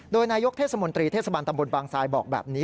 โดยนายกเทศมนตรีเทศบาลตำบลบางทรายบอกแบบนี้